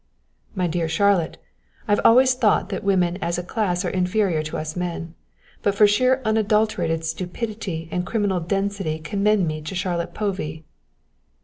"My dear Charlotte, I've always thought that women as a class are inferior to us men, but for sheer unadulterated stupidity and criminal density commend me to Charlotte Povey."